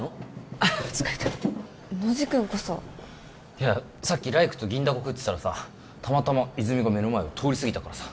あ疲れたノジ君こそいやさっき来玖と銀だこ食ってたらさたまたま泉が目の前を通りすぎたからさ